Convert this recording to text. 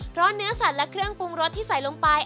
เพราะเนื้อสัตว์และเครื่องปรุงรสที่ใส่ลงไป